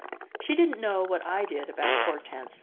She didn't know what I did about Hortense.